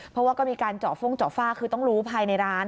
เพราะว่าก็มีการเจาะฟ่องเจาะฝ้าคือต้องรู้ภายในร้าน